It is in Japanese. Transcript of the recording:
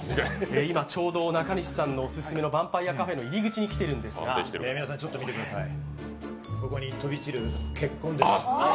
今ちょうど中西さんのオススメのヴァンパイアカフェの入り口に来ているんですが皆さん見てください、ここに飛び散る血痕です。